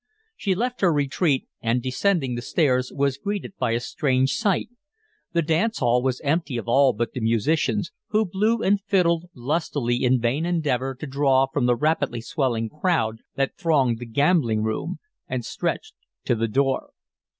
She left her retreat, and, descending the stairs, was greeted by a strange sight. The dance hall was empty of all but the musicians, who blew and fiddled lustily in vain endeavor to draw from the rapidly swelling crowd that thronged the gambling room and stretched to the door.